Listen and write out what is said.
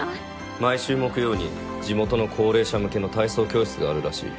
毎週木曜に地元の高齢者向けの体操教室があるらしい。